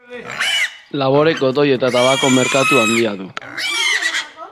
Labore-, kotoi- eta tabako-merkatu handia du.